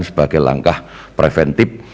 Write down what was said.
sebagai langkah preventif